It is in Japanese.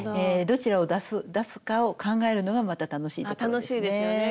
どちらを出すかを考えるのがまた楽しいところですね。